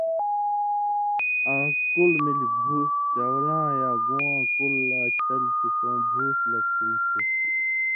آں کُلہۡ مِلیۡ بُھوس (چاؤلاں یا گُون٘واں کُلہۡ لا تل چے کؤں بُھوس لک ہُوئ تُھو)،